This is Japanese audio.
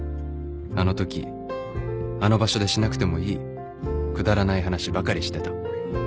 あのときあの場所でしなくてもいいくだらない話ばかりしてた